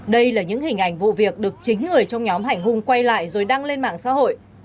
đây là những hình ảnh vụ việc được chính người trong nhóm hành hung quay lại rồi đăng lên mạng xã hội